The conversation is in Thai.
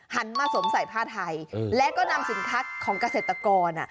หันมาสวมใส่ผ้าไทยแล้วก็นำสินค้าของเกษตรกร